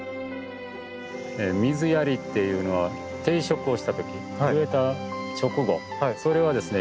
水やりっていうのは定植をしたとき植えた直後それはですね